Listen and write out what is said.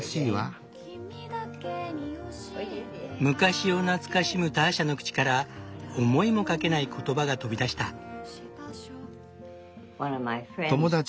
昔を懐かしむターシャの口から思いもかけない言葉が飛び出した。